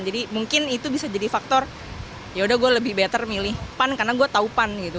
jadi mungkin itu bisa jadi faktor yaudah gue lebih better milih pan karena gue tau pan gitu